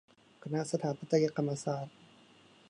คณะสถาปัตยกรรมศาสตร์